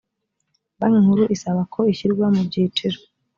banki nkuru isaba ko ishyirwa mu byiciro